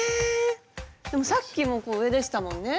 ⁉でもさっきも上でしたもんね。